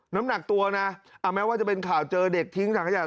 น้ำหนักตัวนะแม้ว่าจะเป็นข่าวเจอเด็กทิ้งถังขยะ